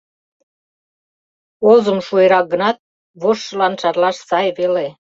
Озым шуэрак гынат, вожшылан шарлаш сай веле.